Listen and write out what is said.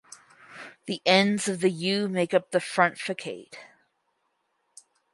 The ends of the "U" make up the front facade.